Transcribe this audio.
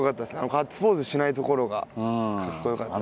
ガッツポーズしないところがカッコよかったです